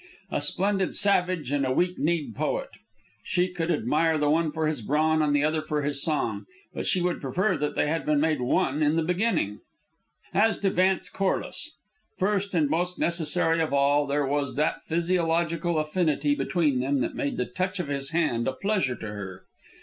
A splendid savage and a weak kneed poet! She could admire the one for his brawn and the other for his song; but she would prefer that they had been made one in the beginning. As to Vance Corliss. First, and most necessary of all, there was that physiological affinity between them that made the touch of his hand a pleasure to her.